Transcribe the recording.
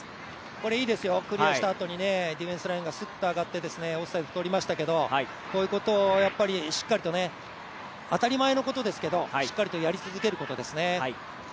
これいいですよ、クリアしたあとにディフェンスラインがすっと上がってこういうことをしっかりと当たり前のことですけど、しっかりとやり続けることですね。